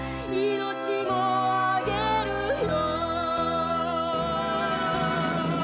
「命をあげるよ」